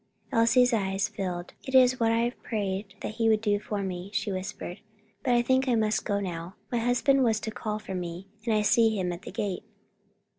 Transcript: Elsie's eyes filled. "It is what I have prayed that he would do for me," she whispered. "But I think I must go now: my husband was to call for me, and I see him at the gate."